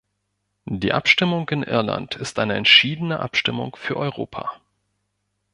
Die Abstimmung in Irland ist eine entschiedene Abstimmung für Europa.